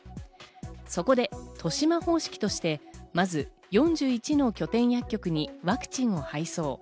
そこで豊島方式としてまず、４１の拠点薬局にワクチンを配送。